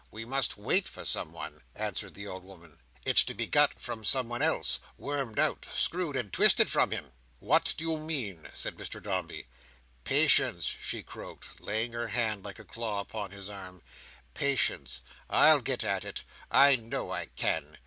we must wait for someone," answered the old woman. "It's to be got from someone else—wormed out—screwed and twisted from him." "What do you mean?" said Mr Dombey. "Patience," she croaked, laying her hand, like a claw, upon his arm. "Patience. I'll get at it. I know I can!